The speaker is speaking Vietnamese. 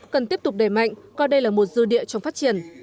cần tiếp tục đẩy mạnh coi đây là một dư địa trong phát triển